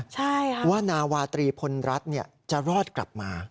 ใช่ค่ะว่านาวาตรีพลรัฐจะรอดกลับมา